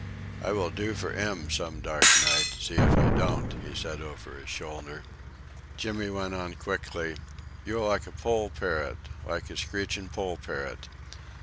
"I will do for 'im some dark night; see if I don't," he said over his shoulder. Jimmy went on quickly: "You're like a poll parrot, like a screechin' poll parrot."